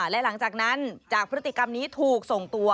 และหลังจากนั้นจากพฤติกรรมนี้ถูกส่งตัว